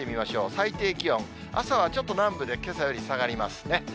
最低気温、朝はちょっと南部でけさより下がりますね。